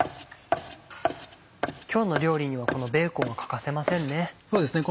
今日の料理にはベーコンが欠かせませんね。